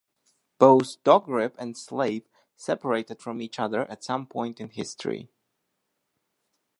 Both Dogrib and Slave separated from each other at some point in history.